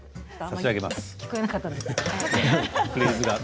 聞こえなかった。